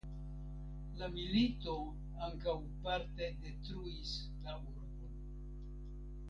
La milito ankaŭ parte detruis la urbon.